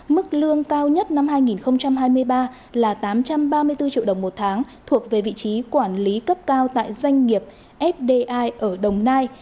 mức lương cao nhất năm hai nghìn hai mươi ba là tám trăm ba mươi bốn triệu đồng một tháng thuộc về vị trí quản lý cấp cao tại doanh nghiệp fdi ở đồng nai